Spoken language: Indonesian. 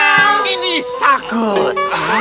emang ini takut